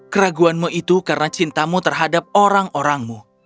keraguanmu itu karena cintamu terhadap orang orangmu